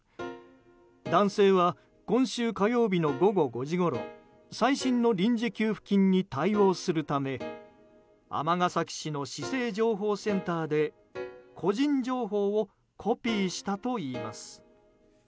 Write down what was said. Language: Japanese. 男性は今週火曜日の午後５時ごろ最新の臨時給付金に対応するため尼崎市の市政情報センターで個人情報をコピーしたといいます。